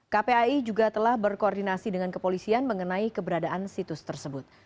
kpai juga telah berkoordinasi dengan kepolisian mengenai keberadaan situs tersebut